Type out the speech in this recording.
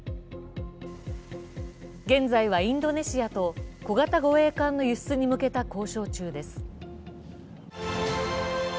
現在はインドネシアと小型護衛艦の輸出に向けた交渉中です。